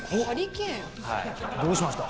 うわ。どうしました？